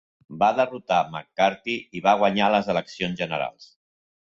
Va derrotar McCarthy i va guanyar les eleccions generals.